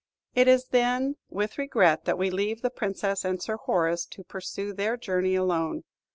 It is, then, with regret that we leave the Princess and Sir Horace to pursue their journey alone.